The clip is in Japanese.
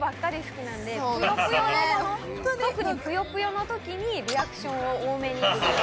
特にぷよぷよの時にリアクションを多めにする。